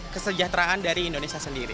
kesejahteraan dari indonesia sendiri